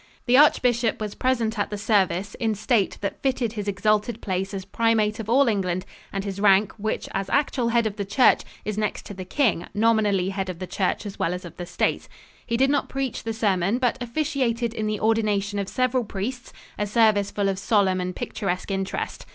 The archbishop was present at the service in state that fitted his exalted place as Primate of all England and his rank, which, as actual head of the church, is next to the king, nominally head of the church as well as of the state. He did not preach the sermon but officiated in the ordination of several priests, a service full of solemn and picturesque interest.